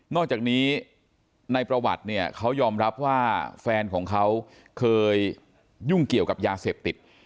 อกจากนี้ในประวัติเนี่ยเขายอมรับว่าแฟนของเขาเคยยุ่งเกี่ยวกับยาเสพติด